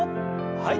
はい。